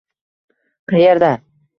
Qayerda?